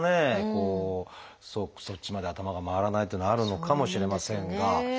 こうそっちまで頭が回らないっていうのはあるのかもしれませんが。